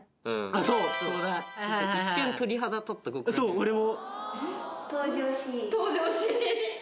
俺も。